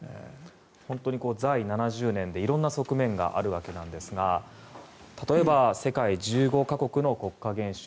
本当に在位７０年で色んな側面があるわけですが例えば、世界１５か国の国家元首